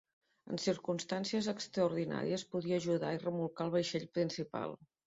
En circumstàncies extraordinàries podia ajudar i remolcar el vaixell principal.